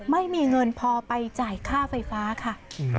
ไม่มีเงินพอไปจ่ายค่าไฟฟ้าค่ะ